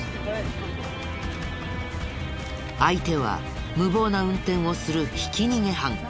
相手は無謀な運転をするひき逃げ犯。